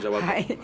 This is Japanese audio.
はい。